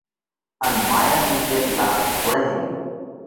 ان مايا ملڳت لار ڍوڙئھ ريو۔